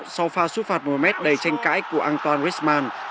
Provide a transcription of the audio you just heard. sau pha xuất phạt một mét đầy tranh cãi của antoine richemont